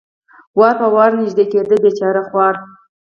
وار په وار را نږدې کېده، بېچاره خورا.